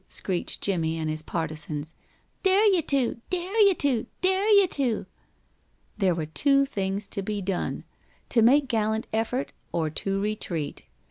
screeched Jimmie and his partisans. "Dare you to! Dare you to! Dare you to!" There were two things to be done to make gallant effort or to retreat.